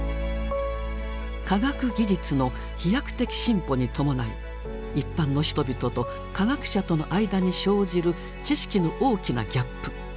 科学技術の飛躍的進歩に伴い一般の人々と科学者との間に生じる知識の大きなギャップ。